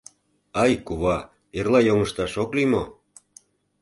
Ай, кува, эрла йоҥышташ ок лий мо?